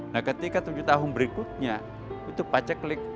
nah ketika tujuh tahun berikutnya itu paceklik